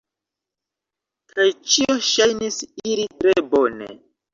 Kaj ĉio ŝajnis iri tre bone.